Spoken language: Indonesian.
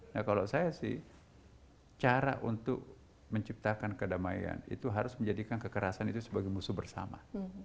nah kalau saya sih cara untuk menciptakan kedamaian itu harus menjadikan kekerasan itu sebagai musuh bersama